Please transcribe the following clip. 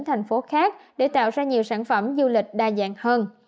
thành phố khác để tạo ra nhiều sản phẩm du lịch đa dạng hơn